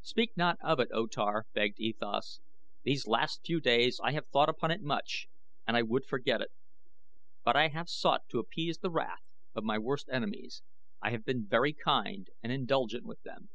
"Speak not of it, O Tar," begged E Thas. "These last few days I have thought upon it much and I would forget it; but I have sought to appease the wrath of my worst enemies. I have been very kind and indulgent with them."